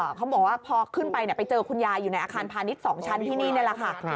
เขาบอกว่าพอขึ้นไปไปเจอคุณยายอยู่ในอาคารพาณิชย์๒ชั้นที่นี่นี่แหละค่ะ